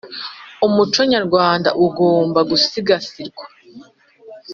Umuco nyarwanda ugomba gusigasirwa